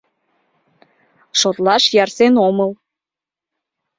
Шотлаш ярсен омыл...